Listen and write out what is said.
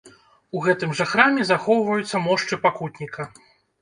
У гэтым жа храме захоўваюцца мошчы пакутніка.